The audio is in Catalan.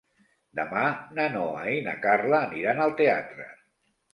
Demà na Noa i na Carla aniran al teatre.